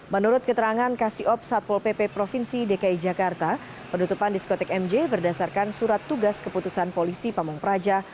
menurut keterangan kasiop satpol pp provinsi dki jakarta penutupan diskotik mj berdasarkan surat tugas keputusan polisi pamung praja